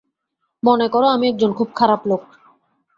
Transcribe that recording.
মনে কর, আমি একজন খুব খারাপ লোক।